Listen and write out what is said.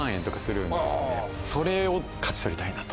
それを勝ち取りたいなと。